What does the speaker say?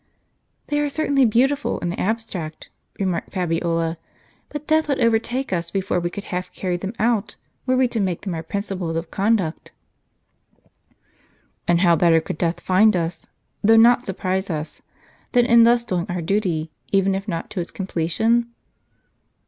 " They are certainly beautiful in the abstract," remarked Fabiola; "but death would overtake us before we could half carry them out, were we to make them our principles of conduct." " And how better could death find us, though not surprise us, than in thus doing our duty, even if not to its comple tion